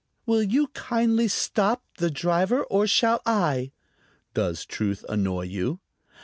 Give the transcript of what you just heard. "Will you kindly stop, the driver, or shall I?" "Does truth annoy you?"